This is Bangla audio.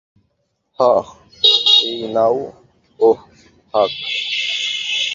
হ্যাঁ এই নাও ওহ, ফাক!